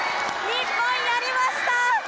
日本やりました！